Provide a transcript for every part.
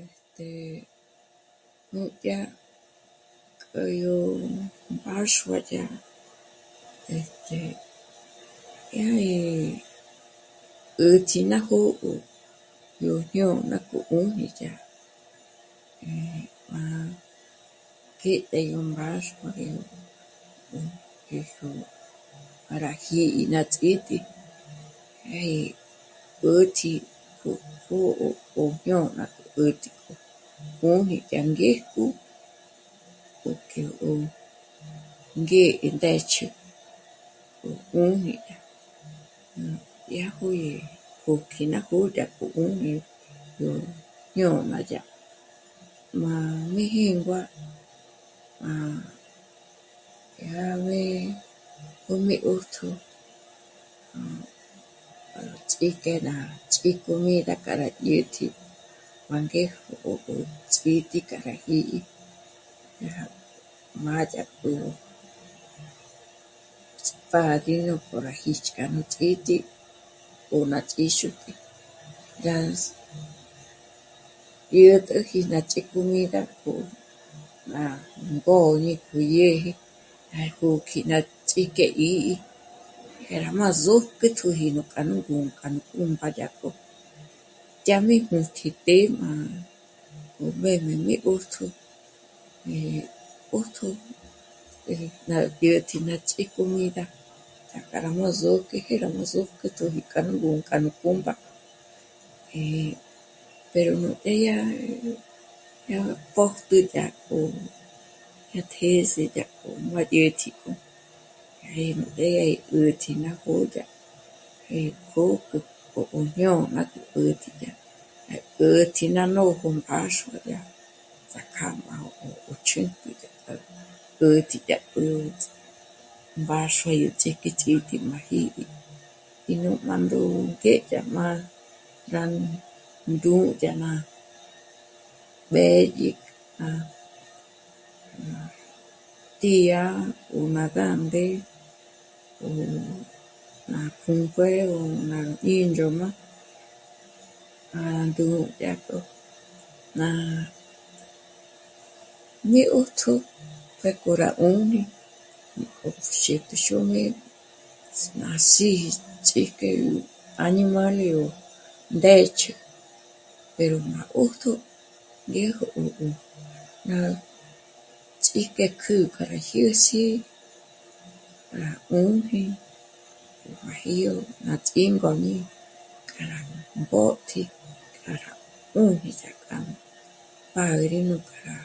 Este... núdya k'ä́ yó mbáxua yá, este..., yá gí 'ä̀tji ná jó'o yó jñôna gó 'ùni dyá, eh..., má k'í'i yá gó mbáxua yó... ngé yó má rá jí'i ná ts'ítǐ'i, dyá gí 'ä̀tji jó... jô'o 'ó jñôna k'o 'ä̀tji k'o 'ū̀jī dyá ngéjk'u 'ó kyò'o 'ó ngé'e ndë́ch'ü 'ó 'ū̀jī dyá, dyá juǐ'i jôkji ná jó'o dyá k'o 'ùni yó jñôna dyá má mí jíngua, má dyá b'é'e jùmi 'ṓjtjō ná ts'íjk'e ná ts'ícomida k'a rá dyä̀tji má ngé jô'o ts'ítǐ'i k'a rá jī́'ī. Dyá rá mâ'a dyá k'o ts... pádrino k'o rá jích'i k'a nú ts'ítǐ'i o ná ts'íxútǐ'i yá s..., dyä̀t'äji ná ts'ícomida k'o ná ngôñi gú dyä̀ji ná jókji ná ts'ík'e 'ī́'ī, dyá rá má zǚjk'i túji yó ngǔm'ü k'a nú 'ùmba dyá k'o, dyá mí nújtji p'é'e má k'o mbéb'e mí 'ṓjtjō. Mí 'ṓjtjō 'é ná dyä̀tji ná ts'ícomida dyá k'a má rá zô'okji jé rá má zôjk'ojitjo k'a nú ngú'... k'a nú ngúd'a, eh..., pero 'é núdya nú, dyá nú pójtjü dyá k'o yó tjês'e dyá k'o má dyä̀tji k'o, jé nú mbé'e 'ä̀tji ná jó'o dyá í pjö̀kjü ó jñôna gó 'ä̀tji dyá. Dyá 'ä̀tji ná nójo mbáxua yá ts'ák'a má 'ó chjǘntjü dyá k'a 'ä̀tji dyá k'o mbáxua yó ts'íjk'i ts'ítǐ'i má jí'i í nú má ndú'u k'e dyá má rá ndú'u dyá má b'ë̌dyi k'a... ná tía, o ná gánde, o ná pùnkué'e, o ná 'índzhǒm'a para ndú'u dyák'o ná... mí 'ṓjtjō pjék'o rá 'ùni o xíti xôb'i ná sí'i ts'íjk'e añimále o ndë́ch'ü pero mí má 'ṓjtjō ñéj 'ó, 'ó rá ts'íjk'e kjǜ'ü k'a rá jyês'i rá 'ùjni o máji yó ná ts'íngôñi k'a rá mbǒ'tji k'a ra 'ùni dyá k'a nú pádrino k'a rá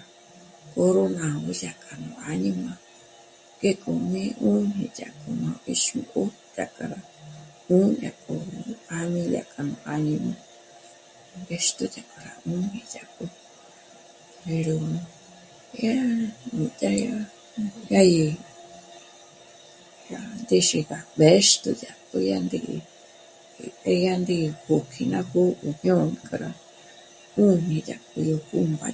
córonagö dyá k'a nú àñima, ngék'o mí 'ùni dyá k'o má 'íxigö dyá k'a rá 'ùnü dyá k'o pjámilia k'a áñima, mbéxtjo dyá k'o rá 'ùni dyá k'o pero dyá..., núdya, dyá, dyá gí, dyá ndéxi gá mbéxtjo dyá k'o yá ndí'i, eh... yá ndí'i pjókji ná jó'o nú jñôna k'a rá 'ùni dyá k'o yó 'ùmba dyá k'a rá jñók'i, dyá k'a ná áñima